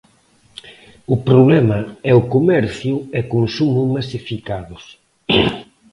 O problema é o comercio e consumo masificados.